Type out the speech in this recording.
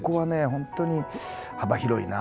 本当に幅広いなと。